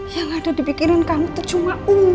yang ada dibikinin kamu itu cuma uang dan uang